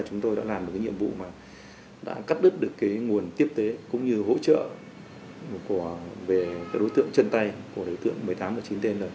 chúng tôi đã làm được nhiệm vụ cắt đứt nguồn tiếp tế cũng như hỗ trợ về đối tượng chân tay của đối tượng một mươi tám và chín tên